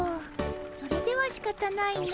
それではしかたないの。